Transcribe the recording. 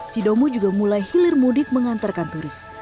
sidomu juga mulai hilir mudik mengantarkan turis